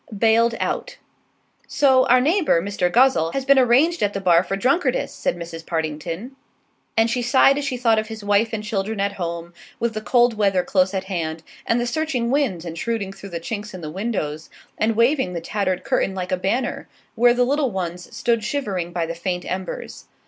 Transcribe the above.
BAILED OUT "So, our neighbour, Mr. Guzzle, has been arranged at the bar for drunkardice," said Mrs. Partington; and she sighed as she thought of his wife and children at home, with the cold weather close at hand, and the searching winds intruding through the chinks in the windows, and waving the tattered curtain like a banner, where the little ones stood shivering by the faint embers.